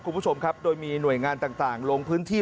คุณผู้ชมครับโดยมีหน่วยงานต่างลงพื้นที่